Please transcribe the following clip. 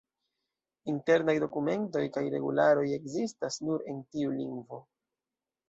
Internaj dokumentoj kaj regularoj ekzistas nur en tiu lingvo.